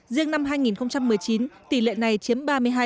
riêng năm hai nghìn một mươi chín tỷ lệ này chiếm ba mươi hai